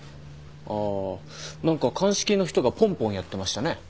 あー何か鑑識の人がポンポンやってましたね。